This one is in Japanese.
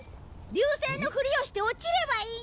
流星のふりをして落ちればいいんだ！